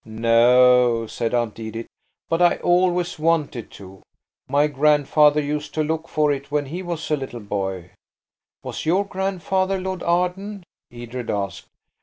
"No," said Aunt Edith, "but I always wanted to. My grandfather used to look for it when he was a little boy." "Was your grandfather Lord Arden?" Edred asked.